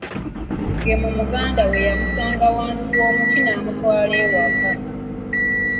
Gemo muganda we yamusanga wansi w'omuti, n'amutwala ewaka.